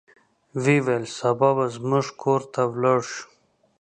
ویې ویل سبا به زموږ کور ته ولاړ شو.